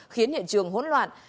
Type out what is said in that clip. khiến hiện trường hỗn loạn